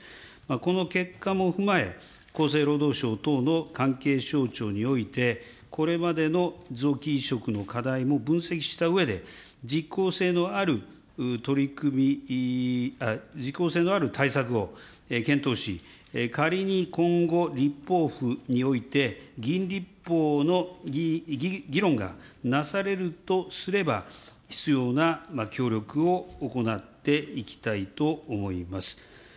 この結果も踏まえ、厚生労働省等の関係省庁において、これまでの臓器移植の課題も分析したうえで、実行性のある取り組み、実効性のある対策を検討し、仮に今後、立法府において議員立法の議論がなされるとすれば、必要な協力を行っていきたいと思います。